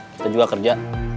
kita juga kerja